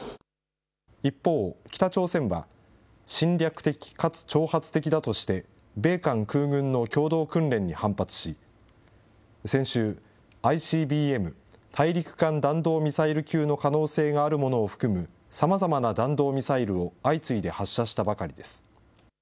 一方、北朝鮮は、侵略的かつ挑発的だとして、米韓空軍の共同訓練に反発し、先週、ＩＣＢＭ・大陸間弾道ミサイル級の可能性があるものを含む、さまざまな弾道ミサイルを相次いで発射したばかりです。